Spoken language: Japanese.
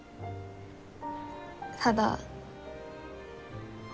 ただ。